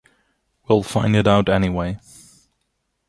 We'll find it out anyway.